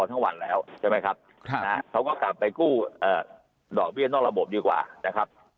ทั้งวันแล้วใช่ไหมครับเขาก็กลับไปกู้ดอกเบี้ยนอกระบบดีกว่านะครับ